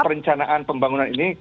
perbincangkan pembangunan ini